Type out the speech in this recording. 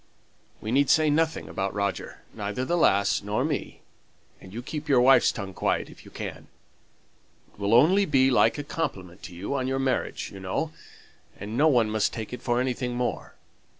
We need say nothing about Roger, neither the lass nor me, and you keep your wife's tongue quiet, if you can. It will only be like a compliment to you on your marriage, you know and no one must take it for anything more.